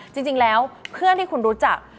จริงแล้วเพื่อนที่คุณรู้จัก